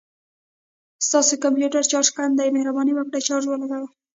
ستاسو د کمپوټر چارج کم دی، مهرباني وکړه چارج ولګوه